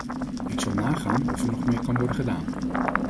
Ik zal nagaan of er nog meer kan worden gedaan.